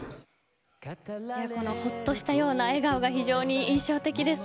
ほっとしたような笑顔が非常に印象的です。